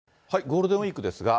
ゴールデンウィークですが。